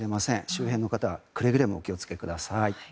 周辺の方はくれぐれもお気をつけください。